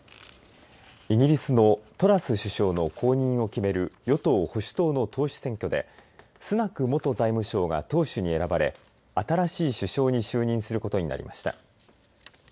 イギリスのトラス首相の後任を決める与党・保守党の党首選挙で、スナク元財務相が党首に選ばれ、新しい首相に就任することになりました。